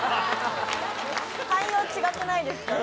対応違くないですか？